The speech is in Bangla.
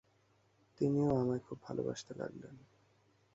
তিনিও আমায় খুব ভালবাসতে লাগলেন।